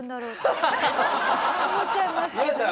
思っちゃいますけどね。